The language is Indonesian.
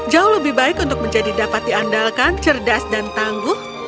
jauh lebih baik untuk menjadi dapat diandalkan cerdas dan tangguh